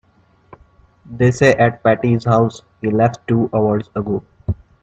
They say at Patti's house he left two hours ago.